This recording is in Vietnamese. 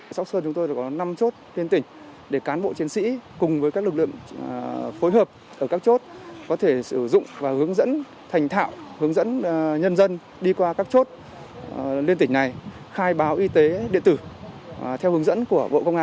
trong sớm chúng tôi có năm chốt liên tỉnh để cán bộ chiến sĩ cùng với các lực lượng phối hợp ở các chốt có thể sử dụng và hướng dẫn thành thạo hướng dẫn nhân dân đi qua các chốt liên tỉnh này khai báo y tế điện tử